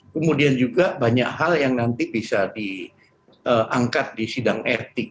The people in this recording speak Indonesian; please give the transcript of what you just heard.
kemudian juga banyak hal yang nanti bisa diangkat di sidang etik